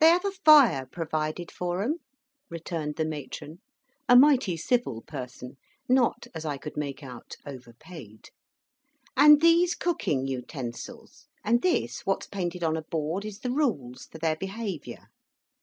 "They have a fire provided for 'em," returned the matron a mighty civil person, not, as I could make out, overpaid; "and these cooking utensils. And this what's painted on a board is the rules for their behaviour.